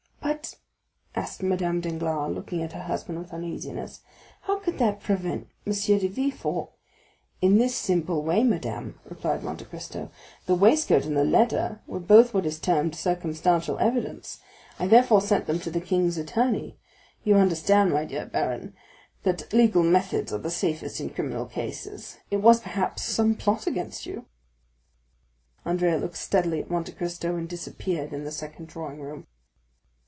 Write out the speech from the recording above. "But," asked Madame Danglars, looking at her husband with uneasiness, "how could that prevent M. de Villefort——" "In this simple way, madame," replied Monte Cristo; "the waistcoat and the letter were both what is termed circumstantial evidence; I therefore sent them to the king's attorney. You understand, my dear baron, that legal methods are the safest in criminal cases; it was, perhaps, some plot against you." Andrea looked steadily at Monte Cristo and disappeared in the second drawing room.